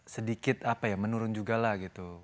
sedikit menurun juga lah gitu